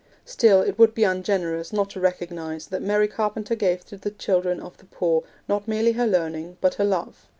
Still, it would be ungenerous not to recognise that Mary Carpenter gave to the children of the poor not merely her learning, but her love.